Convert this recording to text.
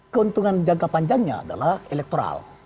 keuntungan jangka panjangnya adalah elektoral